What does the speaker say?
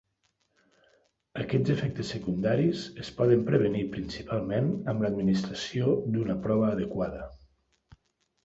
Aquests efectes secundaris es poden prevenir principalment amb l'administració d'una prova adequada.